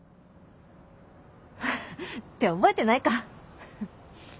フフって覚えてないか。